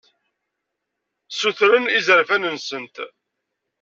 Sutrent izerfan-nsent.